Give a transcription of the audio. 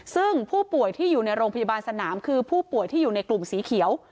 ซึ่งผู้ป่วยที่อยู่ในโรงพยาบาลสนามคือผู้ป่วยที่อยู่ในกลุ่มสีเขียว